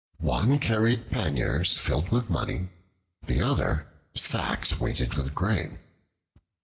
One carried panniers filled with money, the other sacks weighted with grain.